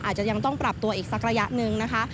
อาจจะยังต้องปรับตัวอีกสักระยะหนึ่งนะคะ